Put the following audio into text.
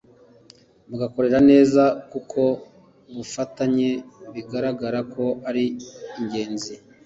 bakorane neza kuko ubufatanye bigaragara ko ari ingenzi